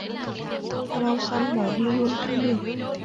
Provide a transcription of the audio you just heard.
Lau xong bỏ đi luôn cũng được